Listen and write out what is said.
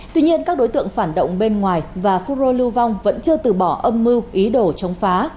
tuy nhiên các đối tượng phản động bên ngoài và phun rô lưu vong vẫn chưa từ bỏ âm mưu ý đồ chống phá